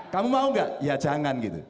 kamu mau nggak ya jangan gitu